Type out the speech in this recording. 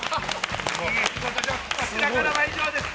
こちらからは以上です！